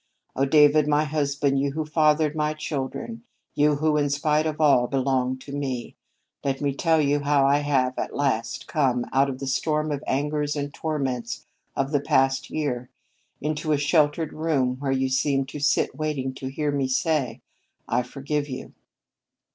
Oh, David, my husband, you who fathered my children, you, who, in spite of all, belong to me, let me tell you how I have at last come, out of the storm of angers and torments of the past year, into a sheltered room where you seem to sit waiting to hear me say, 'I forgive you.'